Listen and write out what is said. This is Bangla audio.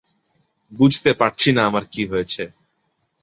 বুঝতে পারছি না আমার কী হয়েছে।